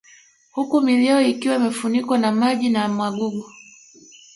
Huku miili yao ikiwa imefunikwa na maji na magugu